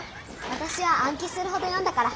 私は暗記するほど読んだから。